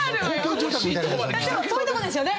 でもそういうとこですよね？